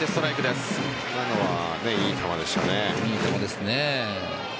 今のはいい球でしたね。